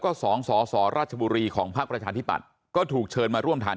ก็สองสสราชบุรีของภาคประชาธิปัตย์ก็ถูกเชิญมาร่วมทาน